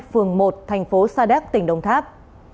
phường một thành phố sa đéc tỉnh đồng tháp